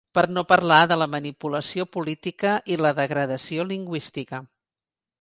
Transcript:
Per no parlar de la manipulació política i la degradació lingüística.